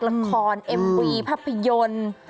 ละครเอ็มวีภาพยนตร์